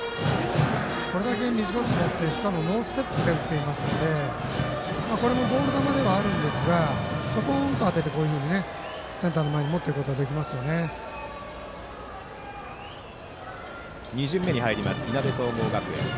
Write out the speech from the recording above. これだけ短く持ってしかも、ノーステップで打っていますので今のもボール球ではありますがちょこんと当ててセンターの前に持っていくことが２巡目に入りますいなべ総合学園。